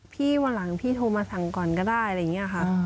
วันหลังพี่โทรมาสั่งก่อนก็ได้อะไรอย่างนี้ค่ะ